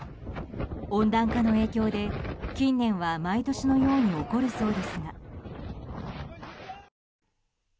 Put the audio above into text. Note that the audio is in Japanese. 温暖化の影響で近年は毎年のように起こるそうですが。